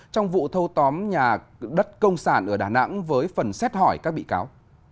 trong vụ thâu tóm nhà đất công sản ở đà nẵng với phần xét hỏi các bị cáo